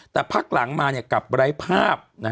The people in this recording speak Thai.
แต่พักหลังมากลับไร้ภาพ